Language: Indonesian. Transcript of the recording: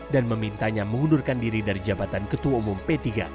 dan memintanya mengundurkan diri dari jabatan ketua umum p tiga